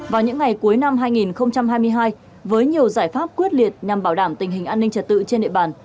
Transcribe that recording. vào những ngày cuối năm hai nghìn hai mươi hai với nhiều giải pháp quyết liệt nhằm bảo đảm tình hình an ninh trật tự trên địa bàn